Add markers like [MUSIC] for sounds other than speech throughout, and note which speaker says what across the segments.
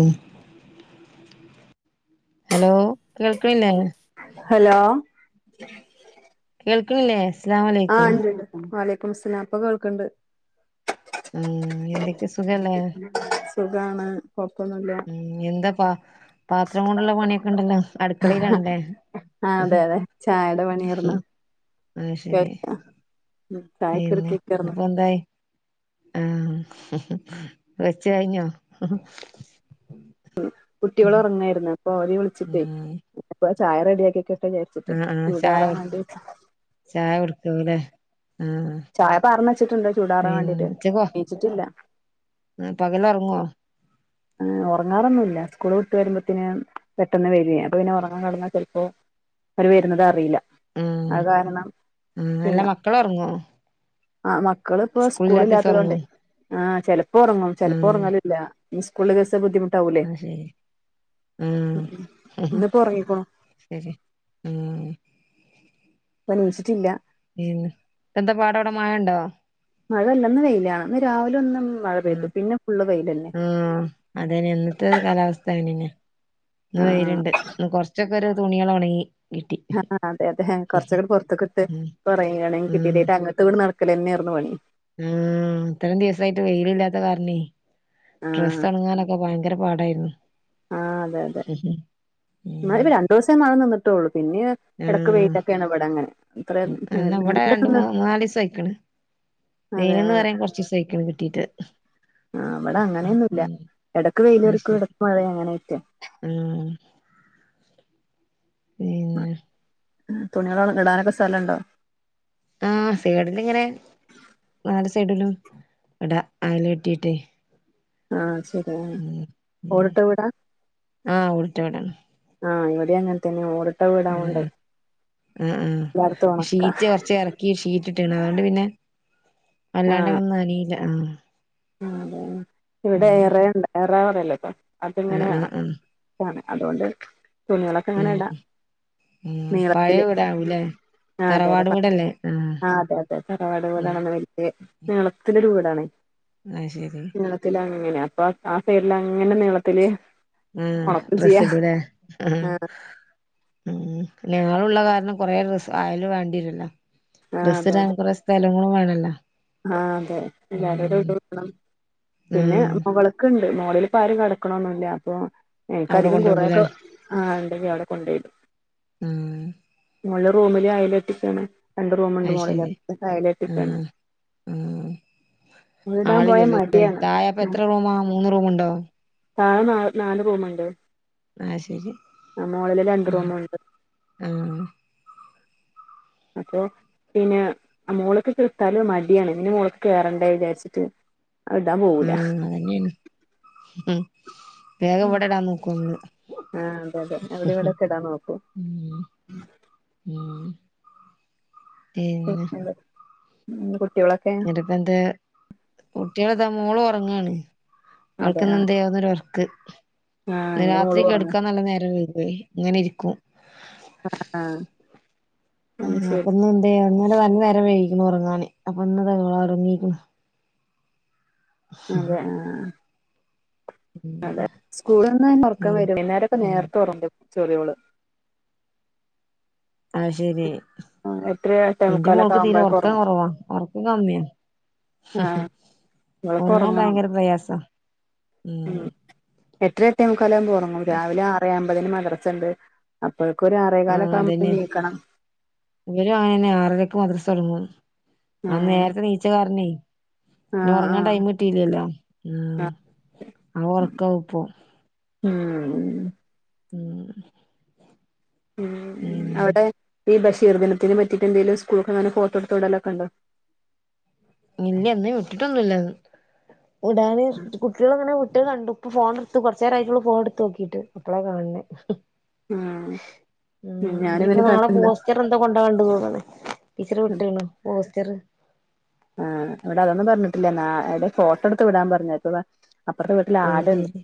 Speaker 1: ഉം ഹലോ കേൾക്ക്ണില്ലേ?
Speaker 2: ഹലോ
Speaker 1: കേൾക്ക്ണില്ലേ?
Speaker 2: ആഹ് ഇണ്ട്ണ്ട് വഅലൈക്കുമുസ്സലാം ഇപ്പൊ കേൾക്ക്ണ്ട്.
Speaker 1: ഉം എന്തെക്കെ സുഖല്ലേ?
Speaker 2: സുഖാണ്. കൊഴപ്പൊന്നുല്ല
Speaker 1: ഉം എന്താ പാ പാത്രം കൊണ്ടുള്ള പണ്യൊക്കെണ്ടല്ലോ അട്ക്കളേലാണ് ലെ
Speaker 2: ആഹ് അതെ യതെ ചായൻ്റെ പണിയാർന്നു.
Speaker 1: അയ് ശെരി.
Speaker 2: ചായക്കൊരു
Speaker 1: പിന്നെ ഇത്
Speaker 2: കേക്കാർന്നു
Speaker 1: പ്പെന്തായി ആഹ് വെച്ച് കഴിഞ്ഞോ?
Speaker 2: [UNINTELLIGIBLE] കുട്ട്യെള് ഒർങ്ങായിര്ന്നു അപ്പൊ ഓരെ വിളിച്ചിട്ടേ
Speaker 1: ഉം
Speaker 2: അപ്പ ചായ റെഡ്യാക്കെക്ക ക്കെ വെച്ചിട്ട്
Speaker 1: ആഹ് ആഹ് ചായ
Speaker 2: ചൂടാറാൻ വേണ്ടി ച്ച്
Speaker 1: ചായ കൊടുക്കൂലേ ആഹ്
Speaker 2: ചായ പാർന്നെച്ച്ട്ട്ണ്ട് ചൂടാറാൻ
Speaker 1: പിന്നെ
Speaker 2: വേണ്ടിട്ട് നീച്ചിട്ടില്ല.
Speaker 1: എഹ് പകലോറ്ങ്ങോ?
Speaker 2: എഹ് ഒറങ്ങാറൊന്നുല്ല സ്കൂൾ വിട്ട് വെരുമ്പത്തിന് പെട്ടെന്ന് വെരുവേ അപ്പ പിന്നെ ഒറങ്ങാൻ കടന്നാ ചെല് പ്പെ ഓര് വെര്ന്നതറീല്ല
Speaker 1: ഉം
Speaker 2: ആ കാരണം
Speaker 1: ആഹ് അല്ല
Speaker 2: ഇല്ല
Speaker 1: മക്കള് ഉറങ്ങോ
Speaker 2: ആഹ് മക്കള് പ്പോ സ്കൂള്
Speaker 1: സ്കൂളില്ലാത്ത ദിവസം
Speaker 2: ല്ലാത്തതൊണ്ട്
Speaker 1: ഉറങ്ങോ
Speaker 2: ആഹ് ചെല് പ്പോ ഒറങ്ങും ചെല്
Speaker 1: ആഹ്
Speaker 2: പ്പൊർങ്ങലില്ല. ഇഞ്സ്കൂള് ല്ലെ ദിവസം ബുദ്ധിമുട്ടാവൂല്ലേ
Speaker 1: അത് ശരി
Speaker 2: ഇന്ന്പ്പോർങ്ങിക്ക്ണു.
Speaker 1: ശെര്യാ ഉം
Speaker 2: ഇപ്പ നീച്ച്ട്ട്ല്ല.
Speaker 1: ഏഹ് പ്പെന്താ പാട് അവ്ടെ മഴണ്ടോ?
Speaker 2: മഴല്ല ന്ന് വെയിലാണ് ന്ന് രാവിലെ ഒന്നും മഴ
Speaker 1: ഉം
Speaker 2: പെയ്ത് പിന്നെ ഫുള്ള് വെ
Speaker 1: ആഹ് അതെന്നെ ഇന്നത്തെ കാലാവസ്ഥ അങ്ങനെന്നെ ഇന്ന്
Speaker 2: ആഹ്
Speaker 1: വെയ്ല്ണ്ട്. ന്ന് കൊറ്ച്ചൊക്കൊര് തുണികളോണ്ങ്ങി.
Speaker 2: ആഹ് അതെ യതെ കൊറ്ച്ചൊക്കെ പൊറ്ത്ത്ക്ക്‌ട്ട്
Speaker 1: ഉം
Speaker 2: കൊറെ ഒണങ്ങി
Speaker 1: ഉം
Speaker 2: കിട്ടി [UNINTELLIGIBLE] ത്ത് ങ്ങട്ട് നട്ക്കലെന്നെർന്നു പണി
Speaker 1: ഉം ഇത്രം ദിവസായിട്ട് വെയില് ല്ലാത്ത കാര്ണേ
Speaker 2: ആഹ്
Speaker 1: ഡ്രസ്സൊണ്ങ്ങാനൊ ങ്ങാൻ ഭയങ്കര പാടായിരുന്നു.
Speaker 2: ആഹ് അതെ യതെ
Speaker 1: ഉം
Speaker 2: ന്നാല് രണ്ടിസം മഴ നിന്ട്ടൊള്ളൂ പിന്നെ എടക്ക്
Speaker 1: ആഹ്
Speaker 2: വെയ്ലെക്കെണ് വടെ ങ്ങനെ ഇത്ര
Speaker 1: എന്നാ
Speaker 2: [UNINTELLIGIBLE] അതെ
Speaker 1: വെയ്ലെന്ന് പറയാൻ കൊറ്ച്ചീസയ്ക്ക്‌ണ് കിട്ടീട്ട്.
Speaker 2: ഉം ഇബടെ അങ്ങനൊന്നുല്ല
Speaker 1: ഉം
Speaker 2: എടക്ക് വെയിലെര്ക്കും എടക്കു മഴ അങ്ങനെയ്ട്ടെ
Speaker 1: ഉം പിന്നെ
Speaker 2: തുണികള് [UNINTELLIGIBLE] ഇടാനൊക്കെ സ്ഥലണ്ടോ?
Speaker 1: ആഹ് സൈഡില്ങ്ങനെ നാല് സൈഡിലും ഇടാ അയ്ലെട്ടിട്ടേ
Speaker 2: ആഹ് ശെര്യന്നെ
Speaker 1: ഉം
Speaker 2: ഓടിട്ടെ വിടാ?
Speaker 1: ആഹ് ഓട് ട്ട വീടാണ്.
Speaker 2: ആഹ് ഇവടിം അങ്ങൻത്തേനെ ഓട്
Speaker 1: ഉ ആഹ് ആഹ്
Speaker 2: എല്ലായിടത്തും ഉണക്കാ
Speaker 1: ഷീറ്റ് കൊറ്ച്ച് എറ് കീഷീറ്റിട്ട്ണ് അതൊണ്ട് പിന്നെ
Speaker 2: ആഹ്
Speaker 1: വല്ലാണ്ടെന്നും നനീല്ല. ആഹ്
Speaker 2: അതെ ഇവടെ
Speaker 1: ഉം
Speaker 2: ഒറോ ണ്ട് ഒറോരെലൊക്കെ
Speaker 1: ആഹ്
Speaker 2: അതെങ്ങെന്യാ
Speaker 1: ആഹ്
Speaker 2: അ
Speaker 1: ആഹ്
Speaker 2: [UNINTELLIGIBLE] അതൊണ്ട്
Speaker 1: ഉം
Speaker 2: തുണികളൊക്കെങ്ങനെടാ
Speaker 1: ഉം പഴയ വീടാവൂല്ലേ?
Speaker 2: ആഹ് അതെ അതെ പ ആഹ് അതെ അതെ തറവാട്
Speaker 1: ഉം
Speaker 2: വീടാണ് വെല്യയെ നീളത്തിലൊരു വീടാണ്.
Speaker 1: ആഹ് ശരി
Speaker 2: നീളത്തിലാണ് ഇങ്ങനെ അപ്പൊ ആഹ് സൈഡിൽ അങ്ങനെ നീളത്തില്.
Speaker 1: ആഹ്
Speaker 2: ഉണക്കും
Speaker 1: ഡ്രസ്സ്
Speaker 2: ചെയ്യാ
Speaker 1: ഇടല്ലേ ആഹ്. ഉം ഞങ്ങള് ഉള്ള കാരണം കൊറെ ഡ്രസ്സ്‌ ആയാലും വേണ്ടിവരില്ലല്ലോ
Speaker 2: ആഹ്
Speaker 1: ഡ്രസ്സ്
Speaker 2: അതെ
Speaker 1: ഇടാൻ
Speaker 2: അതെ
Speaker 1: കൊറെ സ്ഥ സ്ഥലങ്ങളും വേണല്ലോ.
Speaker 2: ആഹ് അതെ എല്ലാവരോടും
Speaker 1: ഉം
Speaker 2: വീട് വെക്കണം പിന്നെ
Speaker 1: ആഹ്
Speaker 2: മോളി ക്ണ്ട് മോളില് പ്പാരും കട്ക്ണൊന്നുല്ല അപ്പൊ എനിക്ക്
Speaker 1: അവിടെ
Speaker 2: അധികം
Speaker 1: കൊണ്ടോടൂലേ
Speaker 2: കൊറെക്ക ആഹ് ഇണ്ടെനി അവിടെ കൊണ്ടിടും
Speaker 1: ആഹ്
Speaker 2: മോളില് റൂമില് [UNINTELLIGIBLE] ആണ്. രണ്ട് റൂമുണ്ട് മോളില് അയ്ക്കെട്ടിയേക്കാണ്.
Speaker 1: ഉം
Speaker 2: മോളിടാൻ പോയ
Speaker 1: ആളില്ലല്ലോ
Speaker 2: മടിയാണ്
Speaker 1: താഴെയിപ്പോ
Speaker 2: ഉം
Speaker 1: എത്ര റൂമാ മൂന്ന് റൂമുണ്ടോ?
Speaker 2: താഴെ നാ നാല് റൂമുണ്ട്,
Speaker 1: ആഹ് ശരി
Speaker 2: ആഹ് മോളില് രണ്ട്
Speaker 1: ഉം
Speaker 2: റൂമുണ്ട്.
Speaker 1: ആഹ്
Speaker 2: അപ്പൊ പിന്നെ മോളിക്ക് ഇത്തിരി സ്ഥലം മതിയാണ് പിന്നെ മോളിക്ക് കേറണ്ടേ വിചാരിച്ചിട്ട്. അത് ഇടാൻ പോവൂല
Speaker 1: ഉം അങ്ങനെയാണ് ഉം വേഗം ഇവിടെ ഇടാൻ നോക്കുന്നു.
Speaker 2: ആഹ്, അതെ അതെ അവിടെ ഇവിടെയൊക്കെ ഇടാൻ നോക്കൂ.
Speaker 1: ഉം ഉം പിന്നെ.
Speaker 2: എന്ത് ഉം കുട്ടികളൊക്കെ.
Speaker 1: കുട്ടിയൊക്കെ എന്തിയെ, കുട്ടികൾ ഇതാ മോള് ഉറങ്ങാണ്.
Speaker 2: അതെ
Speaker 1: അവൾക്ക്
Speaker 2: ആഹ്
Speaker 1: ഇന്നെന്തേ ഒരു ഉറക്കെ.
Speaker 2: ആഹ്
Speaker 1: ഇന്ന്
Speaker 2: എന്റെ മോള്
Speaker 1: രാത്രി
Speaker 2: ഒറങ്ങാ
Speaker 1: കിടക്കാൻ നല്ല നേരം വൈകുവേ ഇങ്ങനെ ഇരിക്കും.
Speaker 2: ആഹ്
Speaker 1: ആ
Speaker 2: ഉം ശരി
Speaker 1: അപ്പൊന്ന് എന്ത അങ്ങനെ വ നേരംവയിക്കിണു ഉറങ്ങാനെ അപ്പൊ ഇന്ന് താ ഉറങ്ങിക്ക്ണ
Speaker 2: അതെ ആഹ്
Speaker 1: ഉം
Speaker 2: അതെ സ്കൂളിന്ന് ഉറക്കം
Speaker 1: ഉം
Speaker 2: വരും, വൈകുന്നേരൊക്കെ
Speaker 1: ഉം
Speaker 2: നേരത്തെ ഉറങ്ങും ചെറിയോള്.
Speaker 1: അത് ശരി
Speaker 2: ആ എട്ടര
Speaker 1: ഇന്റെ
Speaker 2: എട്ടേമുക്കാലൊക്കെ
Speaker 1: മോൾക്ക് തീരെ
Speaker 2: ആവുമ്പോഴൊക്കെ
Speaker 1: ഉറക്കം
Speaker 2: ഒറങ്ങും
Speaker 1: കുറവാ ഉറക്കം കമ്മിയാ.
Speaker 2: ആഹ് ഇവളൊക്കെ
Speaker 1: ഉറങ്ങാൻ ഭയങ്കര പ്രയാസം.
Speaker 2: ഉം, എട്ടര എട്ടേമുക്കാൽ ആവുമ്പോൾ ഉറങ്ങും രാവിലെ ആറ്. ഏഴേ അമ്പതിന് മദ്രസയുണ്ട്, അപ്പോഴേക്ക് ഒരു
Speaker 1: ആഹ്
Speaker 2: ആറേകാലൊക്കെ
Speaker 1: അതന്നെ
Speaker 2: ആകുമ്പത്തേന് എണീക്കണം.
Speaker 1: ഇവരും അങ്ങനെെ ആറരക്ക് മദ്രസ തൊടങ്ങും അ
Speaker 2: ആഹ്
Speaker 1: നേരത്തെ നീച്ച കാരനേ പിന്നെ
Speaker 2: ആഹ്
Speaker 1: ഉറങ്ങാൻ
Speaker 2: ആഹ്
Speaker 1: ടൈം കിട്ടില്ലല്ലോ ഉം.
Speaker 2: ആഹ്
Speaker 1: ആഹ് ഉറക്കവാ ഇപ്പോ.
Speaker 2: ഉം
Speaker 1: ഉം
Speaker 2: ഉം
Speaker 1: പിന്നെ
Speaker 2: അവിടെ ഈ ബഷീർ ദിനത്തിന് പറ്റിയിട്ട് എന്തേലും സ്കൂളിക്ക് അങ്ങനെ ഫോട്ടോ എടുത്ത് വിടലൊക്കെ ഉണ്ടോ?
Speaker 1: ഇല്ല ഇന്ന് വിട്ടിട്ട് ഒന്നുമില്ല അത്, വിടാന് കുട്ടികൾ അങ്ങനെ വിട്ട് ക ഇപ്പൊ ഫോണ് എടുത്ത് കൊറച്ച് നേരവായിട്ടുള്ളൂ ഫോൺ എടുത്തു നോക്കിയിട്ട്, അപ്പളാ കാണുന്ന.
Speaker 2: ആഹ് ഞാൻ
Speaker 1: ഇനിയിപ്പോ
Speaker 2: ഇവനെ
Speaker 1: നാളെ
Speaker 2: കാണിക്കുന്നില്ല.
Speaker 1: പോസ്റ്റർ എന്തോ കൊണ്ടോവാൻ ഉണ്ടെന്ന് തോന്നണേ, ടീച്ചർ വീട്ടുകാണും പോസ്റ്ററ്.
Speaker 2: ആഹ് ഇവിടെ അതൊന്നും പറഞ്ഞിട്ടില്ല, എന്നാ എവിടെ ഫോട്ടോ എടുത്ത് വിടാൻ പറഞ്ഞേക്കുവാ. അപ്പുറത്തെ വീട്ടിൽ
Speaker 1: ആഹ്
Speaker 2: ആടുണ്ട്,
Speaker 1: ശരി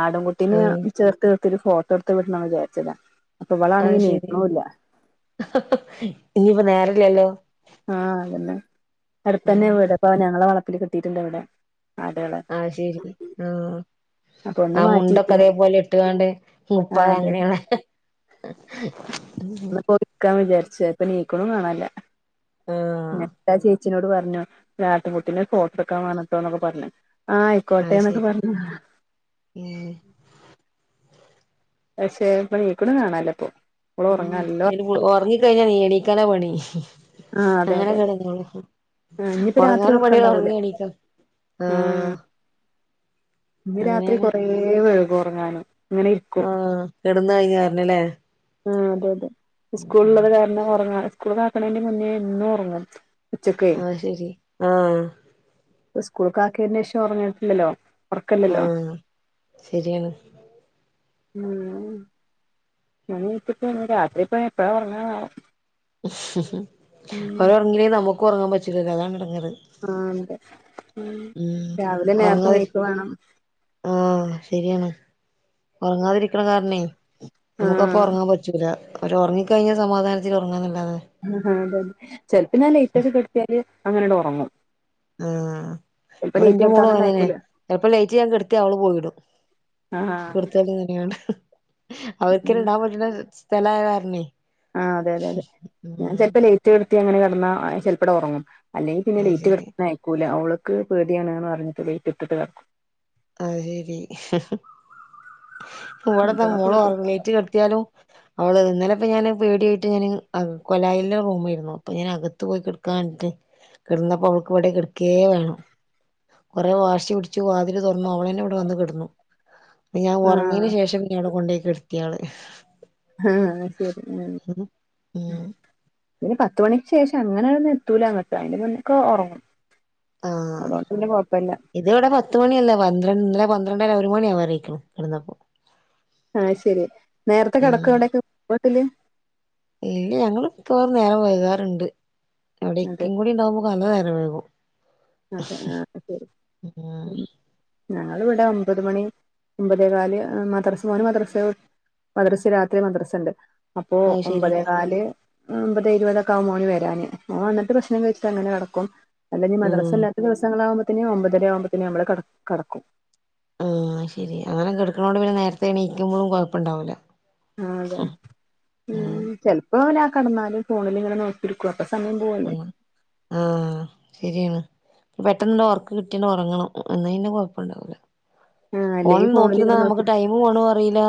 Speaker 2: ആടും കുട്ടിനെ
Speaker 1: ആഹ്
Speaker 2: ചേർത്ത് നിർ ത്തി ഒരു ഫോട്ടോ എടുത്ത് വിട്ടണം വിചരിച്ചതാ, അപ്പൊ ഇവൾ ആണെങ്കിൽ എണീക്കണ് ഇല്ല.
Speaker 1: ഇനിപ്പം നേരം ഇല്ലല്ലോ?
Speaker 2: ആഹ് അതെന്നെ അടുത്ത് തന്നെ
Speaker 1: ഉം
Speaker 2: വീട്, അപ്പോ അവന് ഞങ്ങടെ വളപ്പില് കെട്ടിട്ടുണ്ട് ഇവിടെ. ആടുകളെ
Speaker 1: ആഹ് ശരി ആഹ്.
Speaker 2: അപ്പൊ ഒന്ന്
Speaker 1: ആഹ് മുണ്ടൊക്കെ
Speaker 2: മാറ്റിട്ട്
Speaker 1: അതേപോലെ എടുത്ത് കാണണ്ടേ, ഉം
Speaker 2: ആ
Speaker 1: ഇപ്പൊ
Speaker 2: അതെ
Speaker 1: അങ്ങനെയല്ലേ.
Speaker 2: ഒരുക്കാന്ന് വിചാരിച്ചേ ഇപ്പൊ എണീക്കണ് കാണാനില്ല,
Speaker 1: ആഹ്
Speaker 2: പിന്നെന്താ ചെയ്യാ. അച്ഛനോട് പറഞ്ഞു ഒരു ആട്ടിൻകുട്ടിനെ ഫോട്ടോ എടുക്കാൻ വേണട്ടോ എന്നൊക്കെ പറഞ്ഞു. ആഹ് ആയിക്കോട്ടെ
Speaker 1: അത്
Speaker 2: എന്നൊക്കെ
Speaker 1: ശരി
Speaker 2: പറഞ്ഞതാ.
Speaker 1: ഉം
Speaker 2: പക്ഷെ ഇപ്പം നീക്ക്ണത് കാണാനില്ല ഇപ്പൊ ഓൾ ഉറങ്ങാണ് നല്ല ഉറക്കാ
Speaker 1: കഴിഞ്ഞ എണീക്കാനാ പണി
Speaker 2: ആ അതെ
Speaker 1: അങ്ങനെ
Speaker 2: അതെ അതെ
Speaker 1: കെടന്നോളും
Speaker 2: ആ ഇനിയിപ്പോ രാത്രി
Speaker 1: ഒറങ്ങാനും പണിയാണ്
Speaker 2: ഉറക്കണ്ടാവൂല
Speaker 1: ഒറങ്ങി എണീക്കാ
Speaker 2: ആ
Speaker 1: ആഹ്
Speaker 2: ഇന്ന് രാത്രി
Speaker 1: അങ്ങനെയാണ്
Speaker 2: കൊറെ വൈകും ഉറങ്ങാന്
Speaker 1: ആഹ് കെടന്ന് കഴിഞ്ഞ കാരണം ലെ
Speaker 2: ആഹ അതെ അതെ സ്കൂൾ ഉള്ളത് കാരണം ഉറങ്ങാ സ്കൂൾ അക്ക്ണതിന്റെ മുന്നേ എന്നും ഉറങ്ങും ഉച്ചക്കേ
Speaker 1: ആഹ് ശെരി ആഹ്
Speaker 2: സ്കൂൾ ആക്കിയതിന്റെ ശേഷം ഉറങ്ങിയിട്ടില്ലല്ലോ ഒറക്കല്ലല്ലോ
Speaker 1: ആഹ് ശരിയാണ്
Speaker 2: ഉമ് ഞാ ഇപ്പോ നീച്ചിട്ടുള്ളു രാത്രി പോ എപ്പഴാ ഉറങ്ങാനാവോ
Speaker 1: ഓര് ഒറങ്ങിയില്ലെങ്കിൽ നമുക്കും ഉറങ്ങാൻ പറ്റില്ലല്ലോ അതാണ് ഇടങ്ങേറ്
Speaker 2: ആഹ് അതെ രാവിലെ നേരത്തെ
Speaker 1: ഉറങ്ങാതി
Speaker 2: നീക്കും വേണം
Speaker 1: ആഹ് ശെരിയാണ് ഉറങ്ങാതെ ഇരി കാരണേ നമുക്ക അപ്പ
Speaker 2: ആഹ്
Speaker 1: ഉറങ്ങാൻ പറ്റൂല അവ ഉറങ്ങി ക്കഴിഞ്ഞാൽ സമാധാനത്തിൽ ഉറങ്ങാന്നല്ലാതെ
Speaker 2: ആഹ് അതെതെ ചെലപ്പം ഞാൻ ലൈറ്റൊക്കെ കെട്ടത്തിയാല് അങ്ങനട്ട് ഉറങ്ങും
Speaker 1: ആഹ് ഇവടെ എന്റെ മോളും
Speaker 2: തന്നെ
Speaker 1: അങ്ങനനെ
Speaker 2: അയക്കൂല
Speaker 1: ചെലപ്പോ ലൈറ്റ് ഞാൻ കെടുത്തിയാൽ അവള് പോയിടും
Speaker 2: ഉം
Speaker 1: കുടുത്ത തന്നെയാണ് അവർക്ക് ഇണ്ടാൻ പറ്റുന്ന സ്ഥലായകാരണേ
Speaker 2: ആഹ് അതെ അതെ അതെ ഞാൻ ചെൽപ്പോ ലേറ്റ് കടുത്തി അങ്ങനെ കിടന്നാ ചിലപ്പണ്ട് ഒറങ്ങും അല്ലെങ്ക പിന്ന
Speaker 1: അത്
Speaker 2: ലേറ്റ്
Speaker 1: ശരി
Speaker 2: കെട്ത്ത ആയക്കൂല്ല അവൾക്ക് പേടിയണന്ന് പറഞ്ഞിട്ട് ലേറ്റ് ഇട്ടിട്ട് കടക്കും
Speaker 1: അഹ് ശരി ഇവിടെന്താ
Speaker 2: മറ്റോളൊക്കെ
Speaker 1: മോള്
Speaker 2: വിടും
Speaker 1: ഒറങ്ങീറ്റ് കെടുത്തിയാലും അവള് ഇന്നലെ ഇപ്പോ ഞാന് പേടിയായിട്ട് ഞൻ കൊലായിലി റൂമായിരുന്നു അപ്പോ ഞൻ അകത്ത് പോയികെട് കിടുന്നപ്പോ അവൾക്ക് പടെ കിടക്കേ വേണം കൊറെ വാശി പിടിച്ചു വാതി ല് തോർന്നു അവളന്നെ ഇവിടെ വന്ന് കിടന്നു ഞാൻ
Speaker 2: ആഹ്
Speaker 1: ഉറങ്ങിയയിന് ശേഷം പിന്നെ അവിടെ കൊണ്ടേയ് കെട ട്ട്യേള്
Speaker 2: ആഹ് ശരി
Speaker 1: ഉം
Speaker 2: പിന്നെ പത്ത് മണിക്ക് ശേഷം അങ്ങനെ ഒന്നും എത്തൂല അങ്ങട്ട് അതിന്റെ മുന്നൊക്കെ ഒറങ്ങും
Speaker 1: ആഹ്
Speaker 2: അതുകൊണ്ട് പിന്നെ കൊഴപ്പല്ല
Speaker 1: ഇത് ഇവിടെ പത്തു മണിയല്ല പന്ത്രണ്ട് ഇന്നലെ പന്ത്രണ്ടര ഒരു മണിയാവാറായിക്കണ് കിടന്നപ്പോ
Speaker 2: ആഹ് ശെരി നേരത്തെ കെടക്കോ
Speaker 1: ഉം
Speaker 2: അവടൊക്കെ പോട്ടില്
Speaker 1: ഇല്ല ഞങ്ങൾ ഇപ്പോ നേരം വൈകാറുണ്ട് ഇവിടെ
Speaker 2: അതെ
Speaker 1: ഇക്കിം കൂടെ ഉണ്ടാവുമ്പോ നല്ല നേരം വൈകും
Speaker 2: അതെ ആഹ് ശരി
Speaker 1: ഉം
Speaker 2: ഉമ് ഞങ്ങളിവിടെ ഒമ്പത് മണി ഒൻമ്പതേ കാല് മദ്രസ് മോന് മദ്രസ മദ്രസ രാത്രി മദ്രസണ്ട് അപ്പോ
Speaker 1: അത് ശരി
Speaker 2: ഒമ്പത് കാല് ഒമ്പത് ഇരുപതൊക്കെ ആകും മോന് വരാന് മോൻ വന്നിട്ട് ഭക്ഷണം കഴിച്ചിട്ട് അങ്ങനെ കടക്കും അല്ലെങ്ക മദ്രസ
Speaker 1: ഉം
Speaker 2: ഇല്ലാത്ത ദിവസങ്ങളാവക്പത്തിന് ഒമ്പതര ആകുമ്പോത്തിന് നമ്മള് കട കടക്കും
Speaker 1: ആഹ് ശരി അങ്ങനെ കെടുക്കണോണ്ട് പിന്നെ നേരത്തെ എണീക്കുമ്പോഴും കുഴപ്പണ്ടാവൂല
Speaker 2: ആഹ് അതെ അതെ ഉമ് ചെപ്പോല കടന്നാലും ഫോണിൽങ്ങനെ നോ ഇടുക പ്പ സമയം പോവല്ലെ
Speaker 1: ഉം ആഹ് ശരിയാണ് പെട്ടെന്നണ്ട് ഓർക്ക് കിട്ടിട്ടണ്ട് ഉറങ്ങണം എന്നതിന്റെ കൊഴപ്പുണ്ടാവില്ല
Speaker 2: ആഹ് അല്ലെങ്കി
Speaker 1: ഫോണിൽ നോക്കിരുന്ന
Speaker 2: ഫോണിലിങ്ങനെ
Speaker 1: നമുക്ക്
Speaker 2: നോക്കിയിരിക്കും
Speaker 1: ടൈം പോണ അറിയില്ല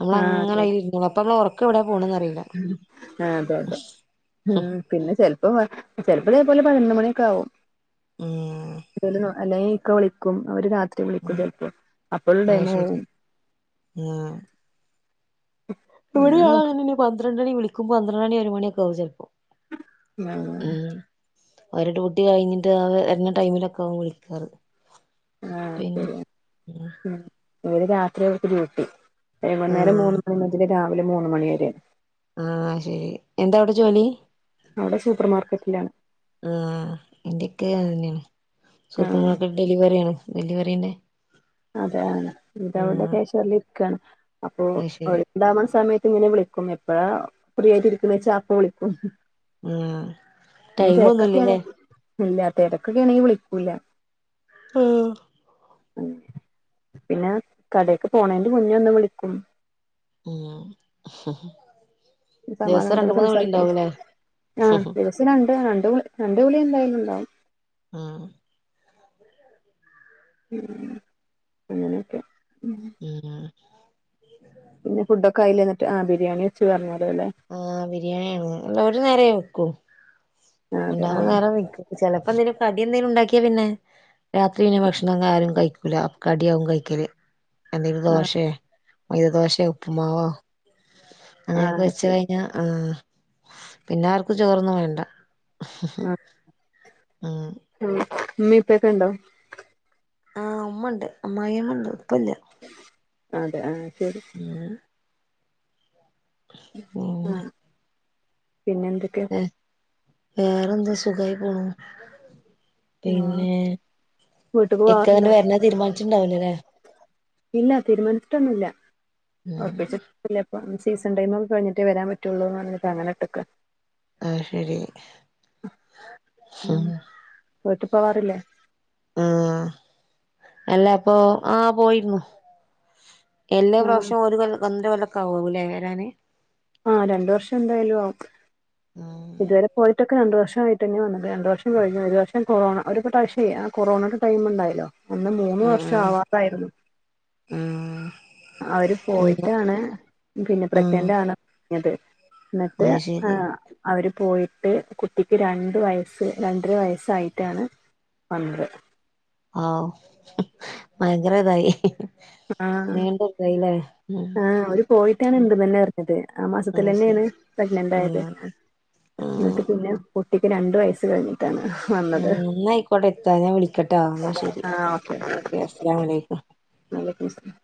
Speaker 1: നമ്മൾ
Speaker 2: ആഹ്
Speaker 1: അങ്ങനെ
Speaker 2: അതെ
Speaker 1: ആയില് ഇരി അപ്പ നമ്മ ക്കെവടെ പോണന്ന് അറീ
Speaker 2: ആഹ് അതെ അതെ ആഹ് പിന്നെ ചെലപ്പോ ചെലപ്പോ ഇതേ പോലെ പന്ത്രണ്ട് മണിയൊക്കെ ആകും
Speaker 1: ഉം
Speaker 2: അല്ലെങ്കി ഇക്ക വിളിക്കും അവര് രാത്രി വിളിക്കും ചിലപ്പോ അപ്പളും
Speaker 1: അത്
Speaker 2: ടൈം
Speaker 1: ശരി
Speaker 2: പൊവും
Speaker 1: ഇവിടെയാ അങ്ങനെ പന്ത്രണ്ടണി വിളിക്ക്മ്പോ പന്ത്രണ്ട് മണി ഒരു മണിയൊക്കെ കും ചിലപ്പോ
Speaker 2: ആഹ്
Speaker 1: ഉമ് അവര് ഡ്യുട്ടി കഴിഞ്ഞിട്ട് അവ വര്ണ ടൈമിലൊക്കെ ആവും വിളിക്കാറ് പിന്നെ ഉമ്
Speaker 2: ഓര് രാത്രി അവർക്ക് ഡ്യൂട്ടി വൈകന്നേരം
Speaker 1: ആഹ്
Speaker 2: മൂന്ന് മണി മുതൽ രാവിലെ മൂന്ന് മണി വരെ.
Speaker 1: ആ ശരി എന്താ അവിടെ ജോലി?
Speaker 2: അവിടെ സൂപ്പർ മാർക്കറ്റിലാണ്
Speaker 1: ആഹ് എന്റീക്കേം അതന്നെണ് സൂപ്പർ
Speaker 2: ആഹ്
Speaker 1: മാർക്കറ്റ് ഡെലിവറിയാണ് ഡെലിവറിന്റെ
Speaker 2: അതെയാണ് ഇത് അവടെ
Speaker 1: ആഹ്
Speaker 2: കൃാഷ റ്ല് ഇരിക്കാണ് അപ്പോ
Speaker 1: അത്
Speaker 2: അവ
Speaker 1: ശരി
Speaker 2: ഉണ്ടാവുന്ന സമയത്ത് ഇങ്ങനെ വിളിക്കും എപ്പഴാ ഫ്രീ ആയിട്ട് ഇരിക്കുന്ന വെച്ചാ അപ്പ വിളിക്കും.
Speaker 1: ആഹ്
Speaker 2: തിരക്കൊക്കെയണെ
Speaker 1: ടൈമൊന്നുല്ലല്ലേ
Speaker 2: ഇല്ല തിരക്കൊക്കെ ആണെങ്കിൽ വിളിക്കൂല്ല.
Speaker 1: ഉം
Speaker 2: [UNINTELLIGIBLE] പിന്നെ കടേക്ക് പോണേന്റെ മുന്നേ ഒന്ന് വിളിക്കും.
Speaker 1: ഇല്ല
Speaker 2: സമാധാനത്തോടെ സംസാരിക്കൽ ആ
Speaker 1: ഉം
Speaker 2: ദിവസം രണ്ട് രണ്ടു രണ്ടു വിളി എന്തായാലും ഉണ്ടാവും.
Speaker 1: ആഹ്
Speaker 2: അങ്ങനൊക്കെ
Speaker 1: [UNINTELLIGIBLE]
Speaker 2: പിന്നെ ഫുഡോക്കെ ആയിലേ എന്നിട്ട് ആ ബിരിയാണി വെച്ച് പറഞ്ഞലൊല്ലെ
Speaker 1: ആഹ് ബിരിയാണിയാണ് ഇന്ന് അല്ല ഒരു നേരേ വെക്കൂ.
Speaker 2: ആ അതെ ആ
Speaker 1: ഉണ്ടാവും നേരം വെക്കും ചിലപ്പോ എന്തേലും കടി എന്തെലും ഉണ്ടാക്കിയാ പിന്നെ രാത്രി പിന്നെ ഭക്ഷണം അങ്ങ ആരും കഴിക്കൂല അപ്പ ക്കടിയാവും കഴിക്കല്. എന്തെങ്കിലും
Speaker 2: ആ
Speaker 1: ദോശേ മൈദദോശേ ഉപ്പുമാവോ
Speaker 2: ആ
Speaker 1: അങ്ങനെയൊക്കെ വെച്ച്
Speaker 2: ശരി
Speaker 1: കഴിഞ്ഞ ആഹ് പിന്നാർക്ക് ചോറൊന്നും വേണ്ട. ആഹ്
Speaker 2: ഉം ഉമ്മീ ഉപ്പീക്കെണ്ടോ?
Speaker 1: ആഹ് ഉമ്മണ്ട് അമ്മായിമ്മ ഉണ്ട് ഉപ്പല്യാ
Speaker 2: അതെ ആഹ് ശരി
Speaker 1: [UNINTELLIGIBLE]
Speaker 2: ആഹ് പിന്നെന്ത്‌
Speaker 1: ഏഹ് വേറെന്ത്‌ സുഖായി പോണു.
Speaker 2: ആ
Speaker 1: പിന്നെ
Speaker 2: വീട്ടിക്ക്
Speaker 1: ഇക്ക
Speaker 2: പോവാറുണ്ടോ
Speaker 1: ഇങ്ങട്ട് വര്ണ തീരുമാനിച്ചിട്ടുണ്ടാവിലല്ലേ.
Speaker 2: ഇല്ല തീരുമാനിച്ചിട്ടൊന്നുല്ല
Speaker 1: ഉം
Speaker 2: ഒറപ്പിച്ചിട്ട് ഒന്നും ഇല്ല്യ ഇപ്പൊ ഇനി സീസൺ ടൈമൊക്കെ കഴിഞ്ഞിട്ടേ വരാൻ പറ്റുള്ളൂ എന്ന് പറഞ്ഞിട്ട് അങ്ങനെ ഇട്ടെക്ക
Speaker 1: അത് ശരി ഉം
Speaker 2: വീട്ടി പോവാറില്ലേ?
Speaker 1: ഉം അല്ല അപ്പൊ ആഹ് പോയിരുന്നു. എല്ലാ
Speaker 2: ആ
Speaker 1: പ്രാവശ്യം ഒരു കൊല്ല് ഒന്നര കൊല്ലോക്ക ആകുവല്ലേ വരാന്
Speaker 2: ആഹ് രണ്ട് വർഷം എന്തായാലും ആവും.
Speaker 1: ആഹ്
Speaker 2: ഇതുവരെ പോയിട്ടൊക്കെ രണ്ട് വർഷം കഴിഞ്ഞിട്ട് തന്നെയ വന്നത് രണ്ടു വർഷം കഴിഞ്ഞ് ഒരു വർഷം കൊറോണ ഒരു പ്രാവശ്യേ ആ കൊറോണെട ടൈമുണ്ടായല്ലോ ഒന്ന് മൂന്ന്
Speaker 1: ആഹ്
Speaker 2: വർഷം ആവാത്തായിരുന്നു.
Speaker 1: ആഹ്
Speaker 2: അവര്
Speaker 1: ആഹ്
Speaker 2: പോയിട്ടാണ് പിന്നെ
Speaker 1: ആഹ്
Speaker 2: പ്രഗ്നന്റ് ആണ് [UNINTELLIGIBLE] എന്നിട്ട്
Speaker 1: അത് ശരി
Speaker 2: ആഹ് അവര് പോയിട്ട് കുട്ടിക്ക് രണ്ട് വയസ്സ് രണ്ടര വയസ്സായിട്ടാണ് വന്ന്
Speaker 1: ആഹു ഭയങ്കര ഇതായി നീണ്ട തായില്ലെ ഏഹ് ഉം
Speaker 2: ആഹ് അവര് പോയിട്ടാണ്
Speaker 1: ഉം
Speaker 2: ഇണ്ട് തന്നെ അറിഞ്ഞത് ആ
Speaker 1: ആഹ്
Speaker 2: മാസത്തിലന്നെണ്
Speaker 1: ശരി
Speaker 2: പ്രഗ്നന്റായത്
Speaker 1: ആഹ് ആഹ്
Speaker 2: എന്നിട്ട് പിന്നെ കുട്ടിക്ക് രണ്ടു വയസ്സ് കഴിഞ്ഞിട്ടാണ്
Speaker 1: ഉം
Speaker 2: വന്നത്
Speaker 1: എന്നാ ആയിക്കോട്ടെ ഇത്താ ഞാൻ വിളിക്കട്ടാ എന്നാ ശരി ഓക്കെ അസ്ലാമലൈക്കും.
Speaker 2: വലൈക്കും മുസ്സലാം